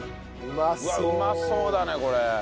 うまそうだねこれ。